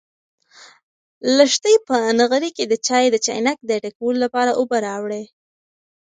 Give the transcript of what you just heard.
لښتې په نغري کې د چایو د چاینک د ډکولو لپاره اوبه راوړې.